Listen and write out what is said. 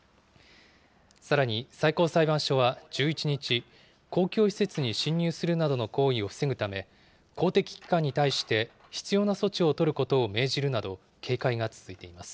さらに、最高裁判所は１１日、公共施設に侵入するなどの行為を防ぐため、公的機関に対して必要な措置を取ることを命じるなど、警戒が続いています。